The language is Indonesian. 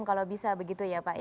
kalau bisa begitu ya pak